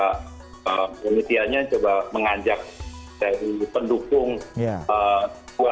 komitiannya coba mengajak dari pendukung dua atau tiga